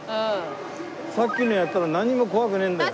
さっきのやったらなんにも怖くねえんだよ。